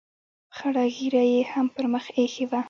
خړه ږیره یې هم پر مخ اېښې وه.